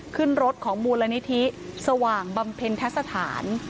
ขึ้นรถของมูลนิธิสว่างบำเพ็ญทสถาน